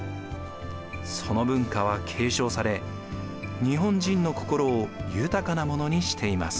その文化は継承され日本人の心を豊かなものにしています。